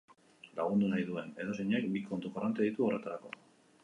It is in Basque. Lagundu nahi duen edozeinek bi kontu korronte ditu horretarako.